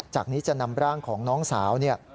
จากนี้จะนำร่างของน้องสาวเนี่ย